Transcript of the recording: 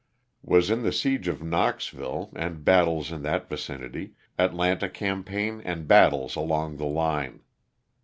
Was in the siege of Knoxville and battles in that vicinity, Atlanta campaign and battles along the line.